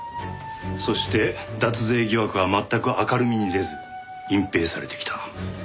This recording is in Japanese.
そして脱税疑惑は全く明るみに出ず隠蔽されてきた。